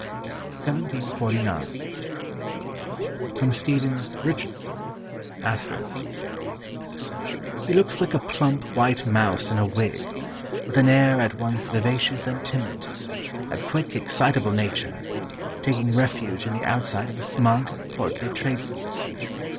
1749. [Sidenote: Stephen's Richardson. *] "He looks like a plump white mouse in a wig, with an air at once vivacious and timid, a quick excitable nature, taking refuge in the outside of a smug, portly tradesman.